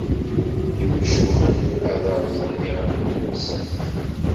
Imcumen ad rrẓen yiɣallen-nsen.